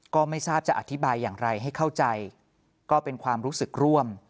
ก็ไม่ทราบจะอธิบายอย่างไรให้เข้าใจก็เป็นความรู้สึกร่วม